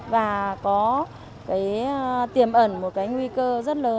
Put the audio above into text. và có tiềm ẩn một nguy cơ rất lớn